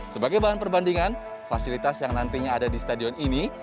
sebagai bahan perbandingan fasilitas yang nantinya ada di stadion ini